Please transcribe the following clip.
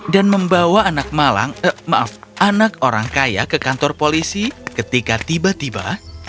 membawa anak malang maaf anak orang kaya ke kantor polisi ketika tiba tiba